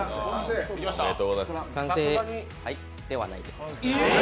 完成ではないですね。